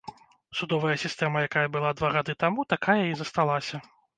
Судовая сістэма якая была два гады таму, такая і засталася.